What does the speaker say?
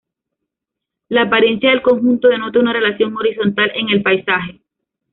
La apariencia del conjunto denota una relación horizontal en el paisaje.